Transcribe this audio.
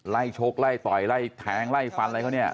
ชกไล่ต่อยไล่แทงไล่ฟันอะไรเขาเนี่ย